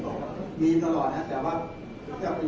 แต่ว่าไม่มีปรากฏว่าถ้าเกิดคนให้ยาที่๓๑